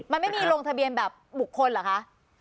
มันไม่มีลงทะเบียนแบบบุคคลเหรอคะ